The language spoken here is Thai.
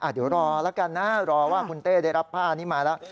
เดี๋ยวรอแล้วกันนะรอว่าคุณเต้ได้รับผ้านี้มาแล้ว